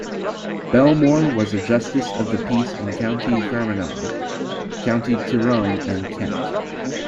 Belmore was a Justice of the Peace in County Fermanagh, County Tyrone and Kent.